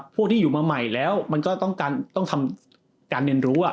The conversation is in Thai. พวกที่อยู่มาใหม่แล้วมันก็ต้องทำการเรียนรู้